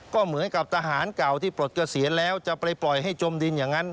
ก็เหมือนกับทหารเก่าที่ปลดเกษียณแล้วจะไปปล่อยให้จมดินอย่างนั้น